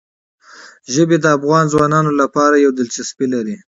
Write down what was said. ژبې د افغان ځوانانو لپاره یوه دلچسپي لري.